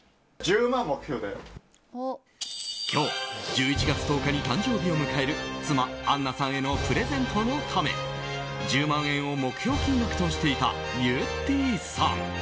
今日１１月１０日に誕生日を迎える妻あんなさんへのプレゼントのため１０万円を目標金額としていたゆってぃさん。